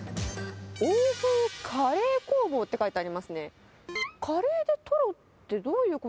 欧風カレー工房って書いてあ